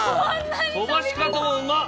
飛ばし方もうまっ！